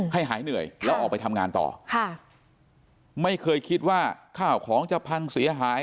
หายเหนื่อยแล้วออกไปทำงานต่อค่ะไม่เคยคิดว่าข้าวของจะพังเสียหาย